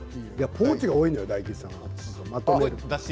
ポーチが多いのよ大吉さん。